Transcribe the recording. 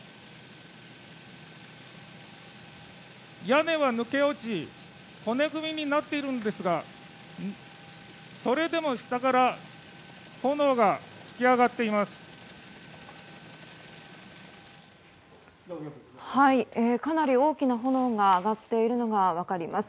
屋根は抜け落ち骨組みになっているんですがそれでも下から炎が噴き上がっています。